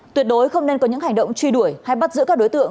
tuyệt đối không nên có những hành động truy đuổi hay bắt giữ các đối tượng